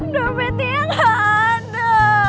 dompetnya gak ada